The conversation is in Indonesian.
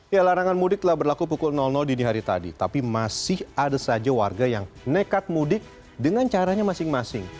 ya larangan mudik telah berlaku pukul dini hari tadi tapi masih ada saja warga yang nekat mudik dengan caranya masing masing